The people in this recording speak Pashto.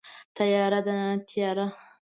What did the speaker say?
تیاره د ناپوهۍ استازیتوب کوي.